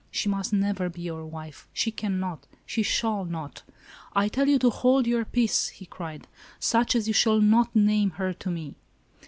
She must never be your wife. She cannot ! she shall not !"" I tell you to hold your peace !" he cried. " Such as you shall not name her to me."